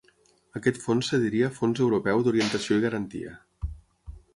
Aquest fons es diria Fons Europeu d'Orientació i Garantia.